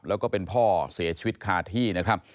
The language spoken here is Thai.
และเป็นพ่อเสียชีวิตคาที่